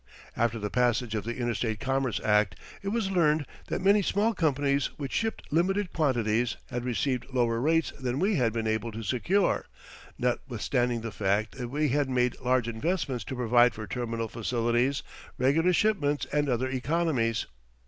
After the passage of the Interstate Commerce Act, it was learned that many small companies which shipped limited quantities had received lower rates than we had been able to secure, notwithstanding the fact that we had made large investments to provide for terminal facilities, regular shipments, and other economies.